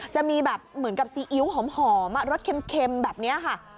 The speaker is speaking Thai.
จะมีแบบเหมือนกับซีอิ๊วหอมรสเค็มแบบนี้ค่ะ